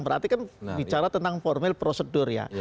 berarti kan bicara tentang formil prosedur ya